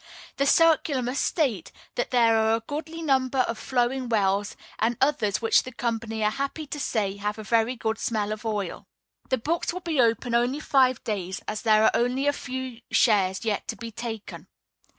The circular must state that "there are a goodly number of flowing wells, and others which the company are happy to say have a very good smell of oil." "The books will be open only five days, as there are only a few shares yet to be taken."